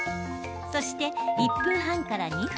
そして、１分半から２分。